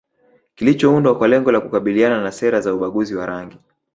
kilichoundwa kwa lengo la kukabiliana na sera za ubaguzi wa rangi